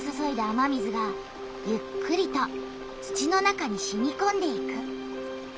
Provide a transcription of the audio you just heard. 雨水がゆっくりと土の中にしみこんでいく。